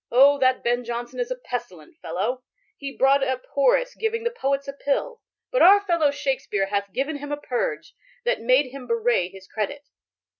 O, that Ben Jonson is a pestilent fellow ; he brought up Horace giving the Poets a pill; but our fellow Shakespeare hath given him a purge that made him beray his credit."